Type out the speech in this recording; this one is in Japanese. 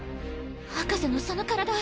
博士のその体。